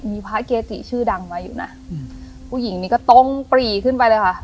มีพระเกจิชื่อดังมาอยู่นะอืมผู้หญิงนี้ก็ตรงปรีขึ้นไปเลยค่ะ